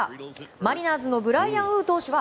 マリナーズのブライアン・ウー投手は